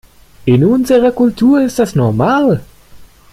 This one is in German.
In unserer Kultur ist das normal.